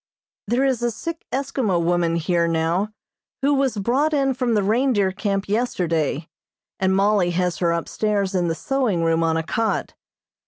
There is a sick Eskimo woman here now who was brought in from the reindeer camp yesterday, and Mollie has her upstairs in the sewing room on a cot.